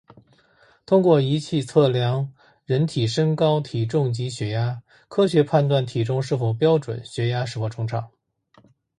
通过仪器测量人体身高、体重及血压，科学判断体重是否标准、血压是否正常